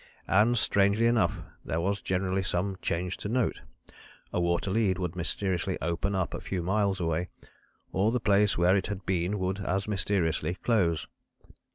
And strangely enough there was generally some change to note. A water lead would mysteriously open up a few miles away, or the place where it had been would as mysteriously close.